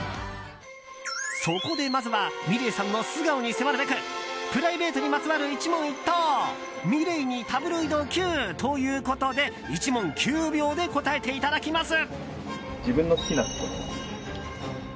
そこで、まずはｍｉｌｅｔさんの素顔に迫るべくプライベートにまつわる一問一答ｍｉｌｅｔにタブロイドＱということで１問９秒で答えていただきます。